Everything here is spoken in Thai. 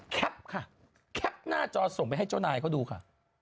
ค่ะแคปหน้าจอส่งไปให้เจ้านายเขาดูค่ะ